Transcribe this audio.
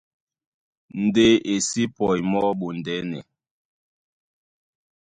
Ndé e sí pɔi mɔ́ ɓondɛ́nɛ.